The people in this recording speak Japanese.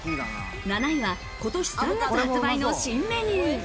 ７位は今年３月発売の新メニュー。